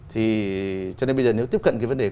thì cho nên bây giờ nếu tiếp cận cái vấn đề